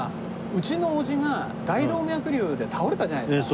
うちの叔父が大動脈瘤で倒れたじゃないですか。